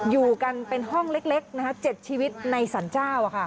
อยู่กันเป็นห้องเล็ก๗ชีวิตในสรรเจ้า